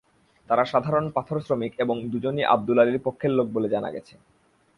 তাঁরা সাধারণ পাথরশ্রমিক এবং দুজনই আবদুল আলীর পক্ষের লোক বলে জানা গেছে।